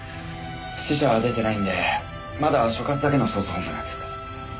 死者は出てないんでまだ所轄だけの捜査本部なんですけど。